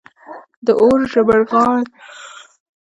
د اور ژبغړاندې لمبې د افغان ملت له لمنو څخه پورته کولې.